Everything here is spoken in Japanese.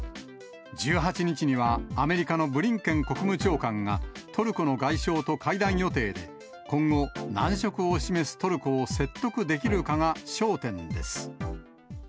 １８日には、アメリカのブリンケン国務長官がトルコの外相と会談予定で、今後、難色を示すトルコを説得できるかが焦点です。